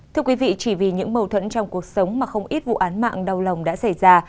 thưa quý vị chỉ vì những mâu thuẫn trong cuộc sống mà không ít vụ án mạng đau lòng đã xảy ra